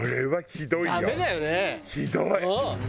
ひどい。